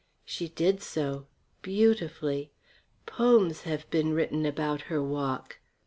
She did so. Beautifully. Poems have been written about her walk.